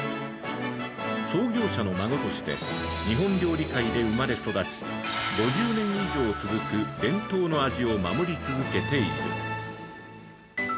創業者の孫として日本料理界で生まれ育ち、５０年以上続く伝統の味を守り続けている。